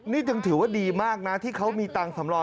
นี่ยังถือว่าดีมากนะที่เขามีตังค์สำรอง